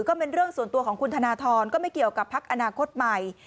ก็เป็นเรื่องส่วนตัวของคุณธนทรก็ไม่เกี่ยวกับพักอนาคตใหม่